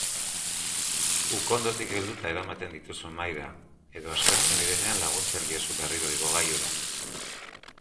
Ukondotik helduta eramaten dituzu mahaira, edo aspertzen direnean laguntzen diezu berriro igogailura.